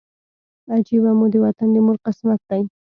عجیبه مو د وطن د مور قسمت دی